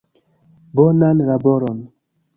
Bonan laboron!